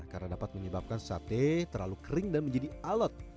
karena dapat menyebabkan sate terlalu kering dan menjadi alat